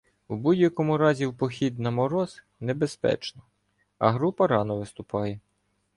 У будь-якому разі в похід, на мороз — небезпечно, а група рано виступає.